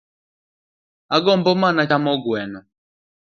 Agombo mana chamo gweno